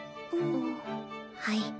はい。